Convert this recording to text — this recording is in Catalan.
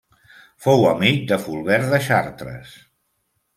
Fou amic de Fulbert de Chartres.